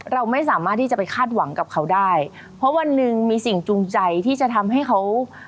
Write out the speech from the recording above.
เราไม่สามารถที่จะไปคาดหวังกับเขาได้เพราะวันหนึ่งมีสิ่งจูงใจที่จะทำให้เขา